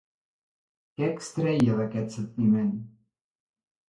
Què extreia d'aquest sentiment?